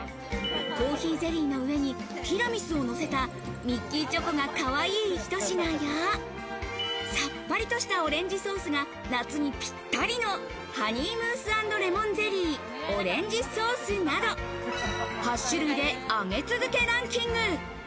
コーヒーゼリーの上にティラミスを乗せたミッキーチョコがかわいいひと品や、さっぱりとしたオレンジソースが夏にぴったりの「ハニームース＆レモンゼリー、オレンジソース」など、８種類で上げ続けランキング。